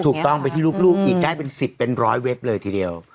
ถูกต้องไปที่ลูกอีกได้เป็น๑๐เป็นร้อยเว็บเลยทีเดียว